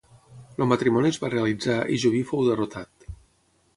El matrimoni es va realitzar i Joví fou derrotat.